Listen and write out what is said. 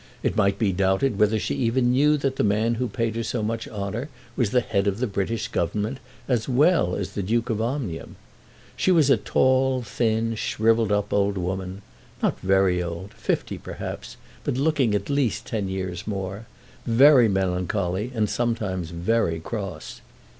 It might be doubted whether she even knew that the man who paid her so much honour was the Head of the British Government as well as the Duke of Omnium. She was a tall, thin, shrivelled up old woman, not very old, fifty perhaps, but looking at least ten years more, very melancholy, and sometimes very cross.